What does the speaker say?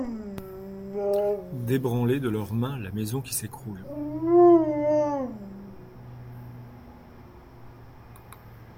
D'ébranler, de leurs mains, la maison qui s'écroule !